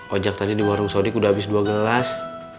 oh jack tadi di warung sodik udah abis dua gelas